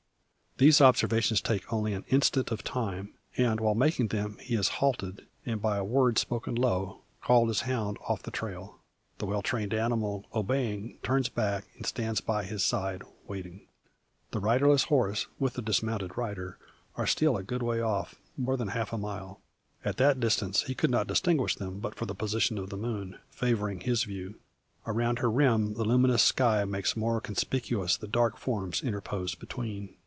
These observations take only an instant of time; and, while making them he has halted, and by a word, spoken low, called his hound off the trail. The well trained animal obeying, turns back, and stands by his side waiting. The riderless horse, with the dismounted rider, are still a good way off, more than half a mile. At that distance he could not distinguish them, but for the position of the moon, favouring his view. Around her rim the luminous sky makes more conspicuous the dark forms interposed between.